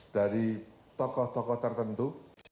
dari tokoh tokoh tertentu